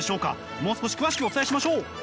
もう少し詳しくお伝えしましょう。